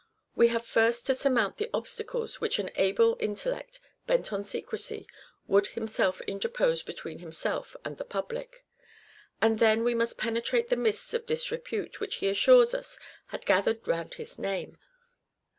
We have first to surmount the obstacles which an able intellect, bent on secrecy, would himself interpose between himself and the public ; and then we must penetrate the mists of disrepute which he assures us had gathered round his name.